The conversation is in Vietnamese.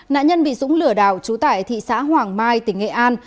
nạn nhân bị súng lửa đào trú tại thị xã hoàng mai tỉnh nghệ an